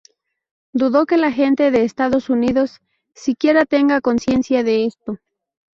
Dudo que la gente de Estados Unidos siquiera tenga conciencia de esto.